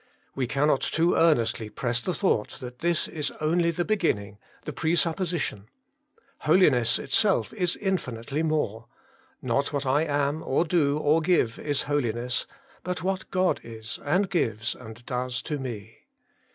We cannot too earnestly press the thought that this is only the beginning, the presupposition : holi ness itself is infinitely more ; not what I am, or do, or give, is holiness, but what God is, and gives, and does to me.